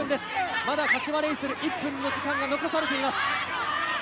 まだ柏レイソルに１分の時間が残されています。